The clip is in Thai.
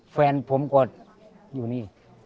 แฟนผมก็อยู่นี่